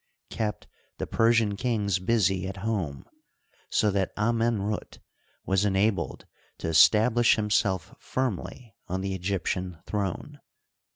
kept the Persian kings busy at home, so that Amen rut was enabled to establish himself firmly on the Egyp tian throne.